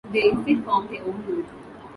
They instead formed their own group.